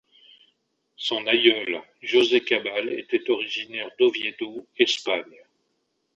Son aïeul, José Cabal était originaire d'Oviedo, Espagne.